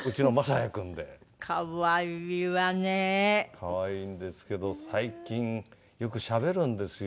可愛いんですけど最近よくしゃべるんですよ。